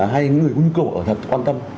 hay những người huynh cổ thật quan tâm